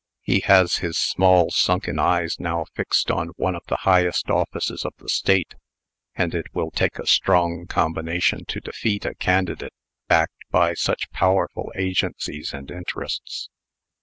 He has his small, sunken eyes now fixed on one of the highest offices of the State; and it will take a strong combination to defeat a candidate backed by such powerful agencies and interests.